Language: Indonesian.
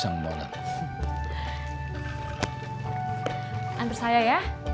enggak tapi di rumah aja